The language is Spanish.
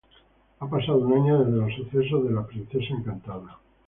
Ha pasado un año desde los sucesos de La princesa encantada.